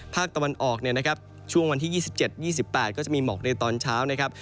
ภาคตะวันออกช่วงวันที่๒๗๒๘ก็จะมีหมอกในตอนเช้า